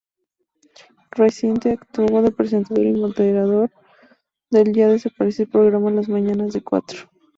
Recientemente actuó de presentador y moderador del ya desaparecido programa "Las mañanas de Cuatro".